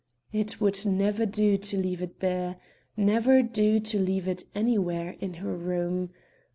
It would never do to leave it there never do to leave it anywhere in her room.